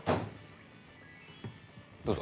どうぞ。